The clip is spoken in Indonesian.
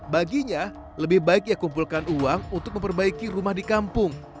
baginya lebih baik ia kumpulkan uang untuk memperbaiki rumah di kampung